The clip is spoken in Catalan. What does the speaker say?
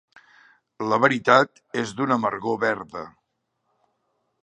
La veritat és d'una amargor verda.